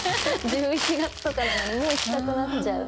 １１月とかなのにもう着たくなっちゃう。